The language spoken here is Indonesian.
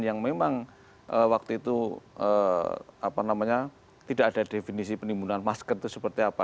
yang memang waktu itu tidak ada definisi penimbunan masker itu seperti apa